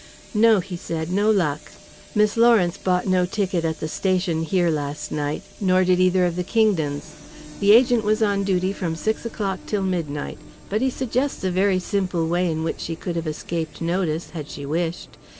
"No," he said, "no luck. Miss Lawrence bought no ticket at the station here last night, nor did either of the Kingdons. The agent was on duty from six o'clock till midnight. But he suggests a very simple way in which she could have escaped notice, had she wished.